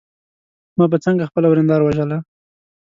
ما به څنګه خپله ورېنداره وژله.